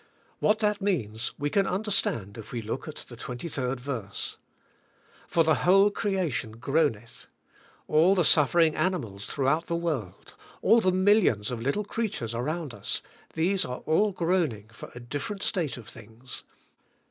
What that means we can under stand if we look at the 23rd verse. "For the whole creation g roaneth, "all the suffering animals throug h out the world, all the millions of little creatures around us, these are all gToaning for a different state of things.